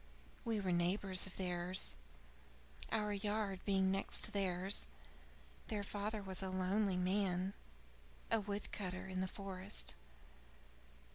We were neighbors of theirs, our yard being next to theirs. Their father was a lonely man; a wood cutter in the forest.